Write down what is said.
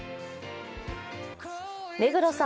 目黒さん